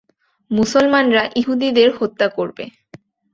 মুসলমানরা ইহুদীদের হত্যা করবে।